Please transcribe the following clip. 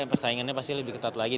persaingannya pasti lebih ketat lagi